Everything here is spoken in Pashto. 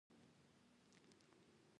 تواب له وېرې خبرې نه شوې کولای.